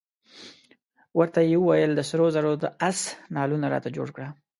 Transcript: ورته یې وویل د سرو زرو د آس نعلونه راته جوړ کړه.